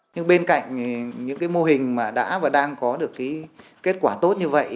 nhưng bên cạnh những cái mô hình mà đã và đang có được cái kết quả tốt như vậy